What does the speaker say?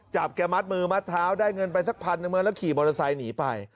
แกมัดมือมัดเท้าได้เงินไปสักพันหนึ่งมาแล้วขี่มอเตอร์ไซค์หนีไป